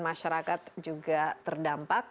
masyarakat juga terdampak